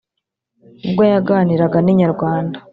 ubwo yaganiraga n’inyarwanda